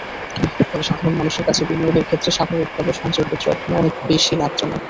ফলে সাধারণ মানুষের কাছে বিনিয়োগের ক্ষেত্রে স্বাভাবিকভাবেই সঞ্চয়পত্র এখনো অনেক বেশি লাভজনক।